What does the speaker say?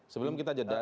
sebelum kita jeda